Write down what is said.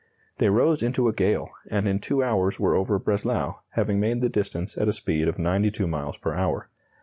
They rose into a gale, and in two hours were over Breslau, having made the distance at a speed of 92 miles per hour.